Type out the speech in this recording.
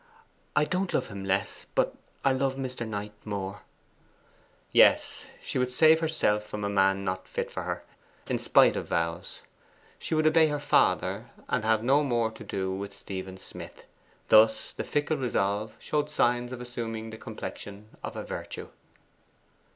'I don't love him less, but I love Mr. Knight more!' Yes: she would save herself from a man not fit for her in spite of vows. She would obey her father, and have no more to do with Stephen Smith. Thus the fickle resolve showed signs of assuming the complexion of a virtue.